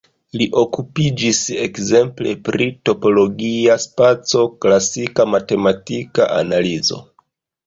Li okupiĝis ekzemple pri topologia spaco, klasika matematika analizo.